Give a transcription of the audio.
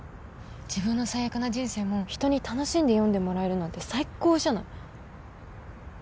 自分の最悪な人生も人に楽しんで読んでもらえるなんて最高じゃない？